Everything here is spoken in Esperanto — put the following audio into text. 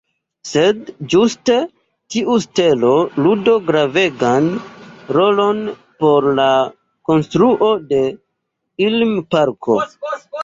Sed ĝuste tiu "stelo" ludo gravegan rolon por la konstruo de Ilm-parko.